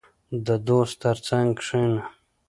• د دوست تر څنګ کښېنه.